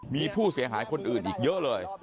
มีผู้เสียหายคนอื่นอีกเยอะเลย